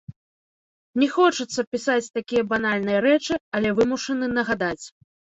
Не хочацца пісаць такія банальныя рэчы, але вымушаны нагадаць.